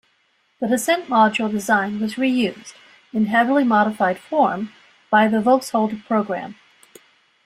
The descent module design was reused, in heavily modified form, by the Voskhod program.